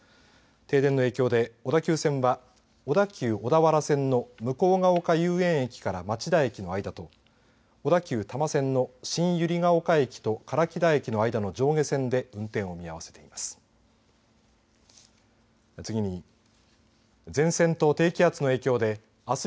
停電の影響で小田急線は小田急小田原線の向ヶ丘遊園駅から町田駅の間と小田急多摩線の新百合ケ丘駅と唐木田駅の間の上下線で運転を見合わせています。